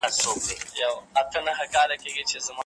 د بدلون پروسه له خنډونو ډکه ده.